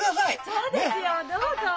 そうですよどうぞ。